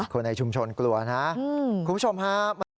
คนในชุมชนกลัวนะคุณผู้ชมฮะ